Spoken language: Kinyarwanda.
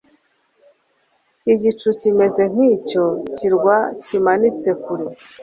Igicu kimeze nkicyo kirwa kimanitse kure